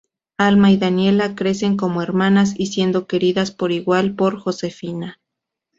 Alma y Daniela crecen como hermanas y siendo queridas por igual por Josefina.